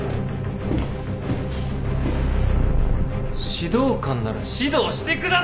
指導官なら指導してください！